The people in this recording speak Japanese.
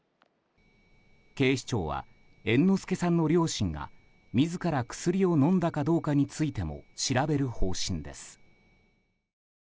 警視庁は猿之助さんの両親が自ら薬を飲んだかどうかについても調べる方針です。